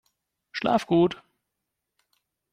Schlaf gut!